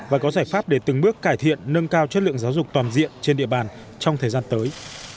và có giải pháp để từng bước cải thiện nâng cao chất lượng giáo dục toàn diện trên địa bàn trong thời gian tới